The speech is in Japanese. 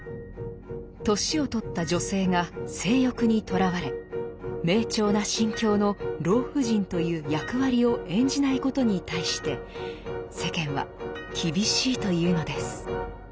年を取った女性が性欲にとらわれ明澄な心境の老婦人という役割を演じないことに対して世間は厳しいというのです。